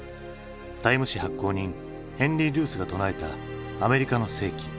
タイム誌発行人ヘンリー・ルースが唱えた「アメリカの世紀」。